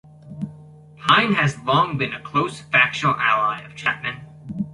Pyne has long been a close factional ally of Chapman.